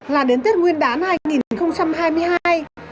chỉ còn hơn một tháng nữa là đến tết nguyên đán hai nghìn hai mươi hai